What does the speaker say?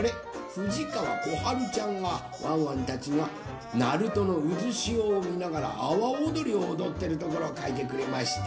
ふじかわこはるちゃんがワンワンたちが鳴門のうずしおをみながらあわおどりをおどってるところをかいてくれました。